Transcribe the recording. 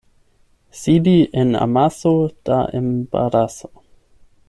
Sidi en amaso da embaraso.